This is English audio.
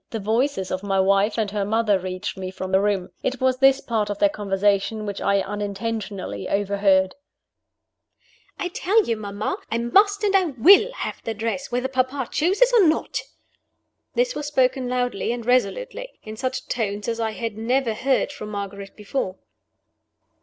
The voices of my wife and her mother reached me from the room. It was this part of their conversation which I unintentionally overheard: "I tell you, mamma, I must and will have the dress, whether papa chooses or not." This was spoken loudly and resolutely; in such tones as I had never heard from Margaret before.